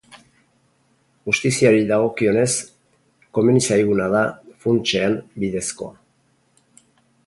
Justiziari dagokionez, komeni zaiguna da, funtsean, bidezkoa.